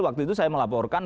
waktu itu saya melaporkan